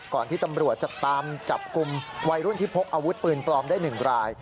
ที่ตำรวจจะตามจับกลุ่มวัยรุ่นที่พกอาวุธปืนปลอมได้๑ราย